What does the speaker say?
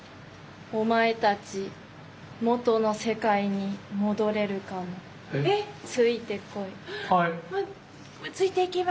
お前たち元の世界に戻れるかもついてこい。